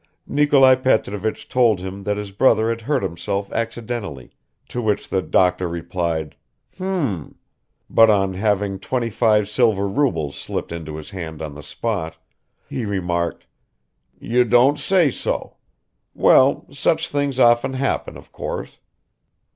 Nikolai Petrovich told him that his brother had hurt himself accidentally, to which the doctor replied "Hm!" but on having twenty five silver rubles slipped into his hand on the spot, he remarked, "You don't say so! Well, such things often happen, of course."